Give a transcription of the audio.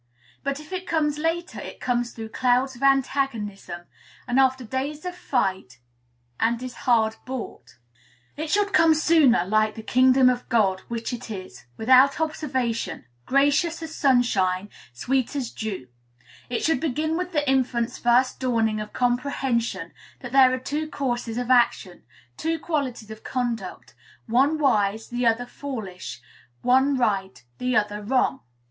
But, if it comes later, it comes through clouds of antagonism, and after days of fight, and is hard bought. It should come sooner, like the kingdom of God, which it is, "without observation," gracious as sunshine, sweet as dew; it should begin with the infant's first dawning of comprehension that there are two courses of action, two qualities of conduct: one wise, the other foolish; one right, the other wrong.